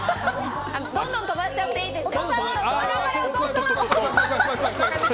どんどん飛ばしちゃっていいですよ。